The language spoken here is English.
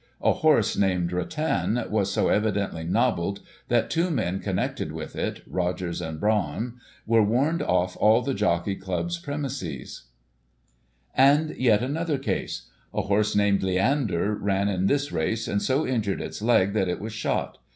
A horse, named Rattan, was so evidently "nobbled," that two men connected with it, Rogers and Braham, were warned off all the Jockey Club's premises. Digitized by Google i844] OPENING LETTERS. 251 And yet another case. A horse, named Leander, ran in this race, and so injured its leg, that it was shot.